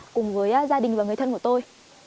cùng với gia đình và người thân của tôi